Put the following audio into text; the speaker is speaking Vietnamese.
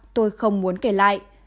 tôi không muốn kể lại